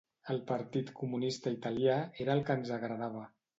El Partit Comunista Italià era el que ens agradava.